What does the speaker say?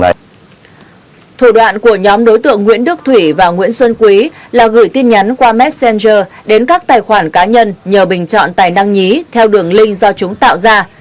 tài khoản của các đối tượng là tài khoản facebook cá nhân nhờ bình chọn tài năng nhí theo đường link do chúng tạo ra